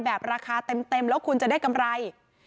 ราคาเต็มแล้วคุณจะได้กำไร